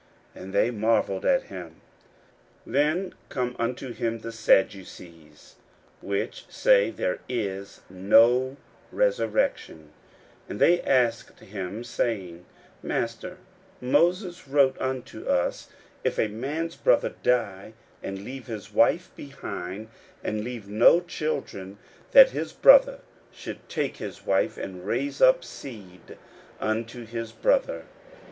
And they marvelled at him. 41:012:018 Then come unto him the Sadducees, which say there is no resurrection; and they asked him, saying, 41:012:019 Master, Moses wrote unto us, If a man's brother die, and leave his wife behind him, and leave no children, that his brother should take his wife, and raise up seed unto his brother.